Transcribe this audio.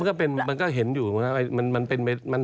มันก็เป็นมันก็เห็นอยู่นะครับมันเป็น